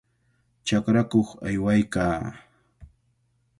Chakrakuq aywaykaa.